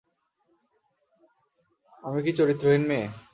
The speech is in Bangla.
আমি কি চরিত্রহীন মেয়ে?